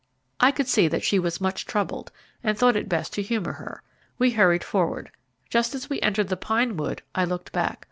I could see that she was much troubled, and thought it best to humour her. We hurried forward. Just as we entered the pine wood I looked back.